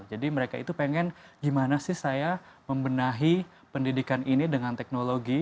jadi mereka itu pengen gimana sih saya membenahi pendidikan ini dengan teknologi